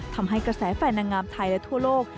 ทำให้กระแสแฟนนางงามไทยและทั่วโลก